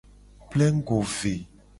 Plengugo ve.